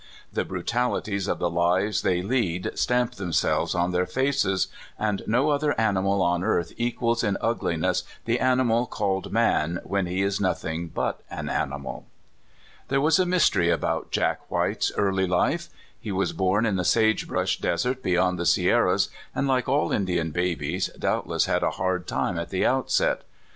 The brutalities of the lives they lead stamp themselves on their faces; and no other animal on earth equals in ugliness the animal called man, when he is nothinjj but an animal. There was a mystery about Jack White's early life. He was born in the sage brush desert beyond the Sierras, and, like all Indian babies, doubtless had a hard time at the outset.